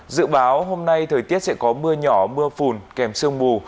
dự báo hôm nay thời tiết sẽ có mưa nhỏ mưa phùn kèm sương mù